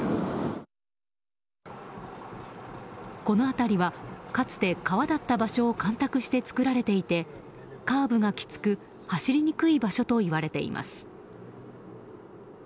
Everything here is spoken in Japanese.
この辺りはかつて川だった場所を干拓してつくられていてカーブがきつく走りにくい場所といわれています。